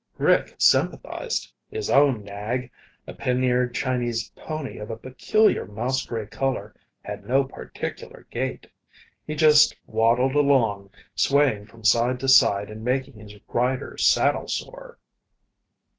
Rick sympathized. His own nag, a pin eared Chinese pony of a peculiar mouse gray color, had no particular gait. He just waddled along, swaying from side to side and making his rider saddle sore.